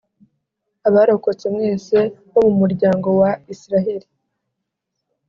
abarokotse mwese bo mu muryango wa israheli,